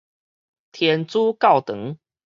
天主教堂